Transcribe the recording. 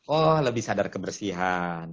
oh lebih sadar kebersihan